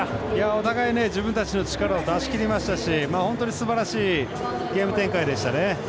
お互い自分たちの力を出しきりましたし本当にすばらしいゲーム展開でしたね。